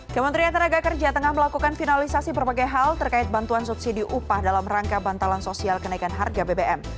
kementerian tenaga kerja tengah melakukan finalisasi berbagai hal terkait bantuan subsidi upah dalam rangka bantalan sosial kenaikan harga bbm